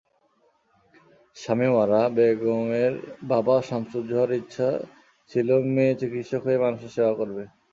শামীমারা বেগমের বাবা শামছুজ্জোহার ইচ্ছা ছিল মেয়ে চিকিৎসক হয়ে মানুষের সেবা করবে।